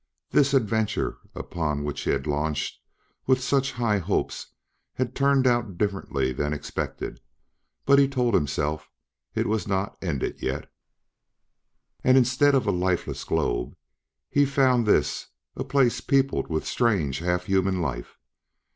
This adventure upon which he had launched with such high hopes had turned out differently than expected; but, he told himself, it was not ended yet. And, instead of a lifeless globe, he had found this: a place peopled with strange, half human life.